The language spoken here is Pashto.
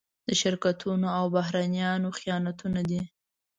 د شرکتونو او بهرنيانو خیانتونه دي.